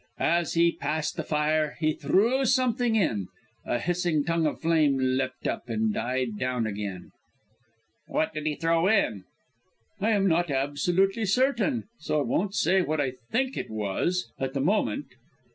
As he passed the fire he threw something in. A hissing tongue of flame leapt up and died down again." "What did he throw in?" "I am not absolutely certain; so I won't say what I think it was, at the moment.